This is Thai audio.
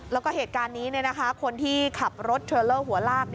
แล้วก็เหตุการณ์นี้คนที่ขับรถเทรลเลอร์หัวลาก